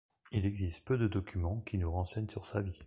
Il existe peu de documents qui nous renseignent sur sa vie.